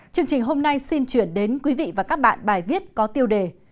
chương trình hôm nay xin chuyển đến quý vị và các bạn bài viết có tiêu đề